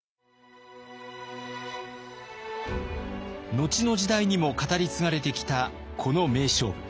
後の時代にも語り継がれてきたこの名勝負。